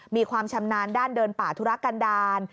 มีความชำนาญด้านเดินป่าธุระกันดาล